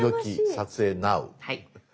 撮影ナウ！」。